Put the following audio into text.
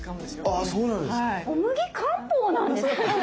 ああそうなんですか。